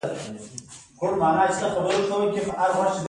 په هوایي ډګر کې ښایي سره بېل شو.